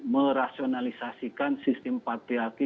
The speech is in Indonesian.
merasionalisasikan sistem patriarki